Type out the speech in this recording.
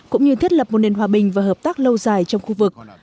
cũng như thiết lập một nền hòa bình và hợp tác lâu dài trong khu vực